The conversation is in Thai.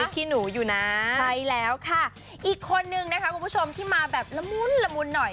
ใช่แล้วค่ะอีกคนนึงนะคะคุณผู้ชมที่มาแบบละมุนหน่อย